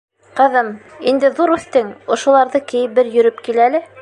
Ҡыҙым, инде ҙур үҫтең, ошоларҙы кейеп бер йөрөп кил әле.